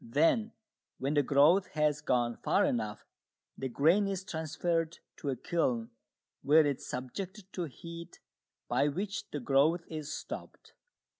Then, when the growth has gone far enough, the grain is transferred to a kiln, where it is subjected to heat, by which the growth is stopped.